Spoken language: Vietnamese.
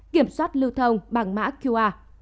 một kiểm soát lưu thông bằng mã qr